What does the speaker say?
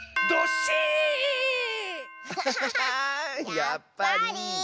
やっぱり。